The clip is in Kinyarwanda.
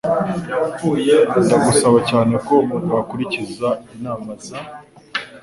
Ndagusaba cyane ko wakurikiza inama za